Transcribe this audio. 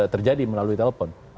terjadi melalui telepon